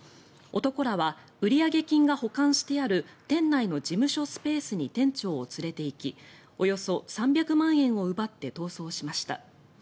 男らは売上金が保管してある店内の事務所スペースに店長を連れていきおよそ３００万円を奪って逃走しました。